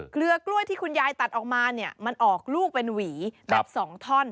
เกลือกล้วยที่คุณยายตัดออกมาเนี่ยมันออกลูกเป็นหวีแบบ๒ท่อน